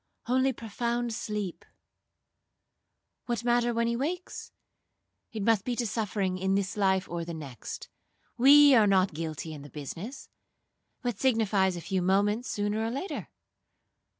only profound sleep.—What matter when he wakes? It must be to suffering in this life or the next. We are not guilty in the business. What signifies a few moments sooner or later?'